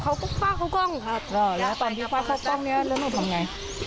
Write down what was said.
เขาก็ป้าเข้ากล้องครับก็แล้วตอนที่ป้าเข้ากล้องเนี้ยแล้วหนูทำไง